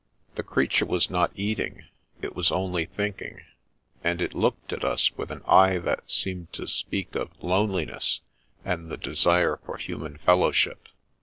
The creature was not eating; it was only thinking; and it looked at us with an eye that seemed to speak of loneliness and the desire for human fellowship.